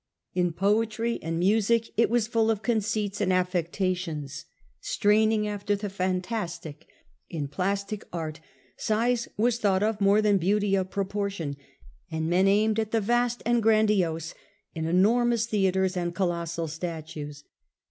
In poetry and but the art music it was full of conceits and affecta tions, straining after the fantastic. In plastic immoral, art size was thought of more than beauty of propor tion, and men aimed at the vast and grandiose in enor mous theatres and colossal statues.